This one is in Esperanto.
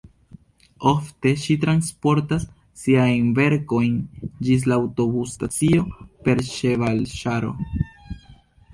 Ofte ŝi transportas siajn verkojn ĝis la aŭtobus-stacio per ĉevalĉaro.